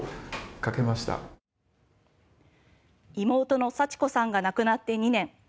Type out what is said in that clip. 妹の幸子さんが亡くなって２年。